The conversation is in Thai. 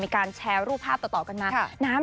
มีการแชร์รูปภาพต่อกันมา